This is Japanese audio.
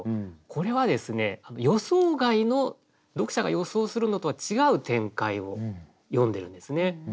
これはですね予想外の読者が予想するのとは違う展開を詠んでるんですね。